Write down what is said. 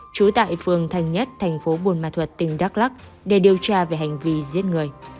trú tại phường thành nhất thành phố buôn ma thuật tỉnh đắk lắc để điều tra về hành vi giết người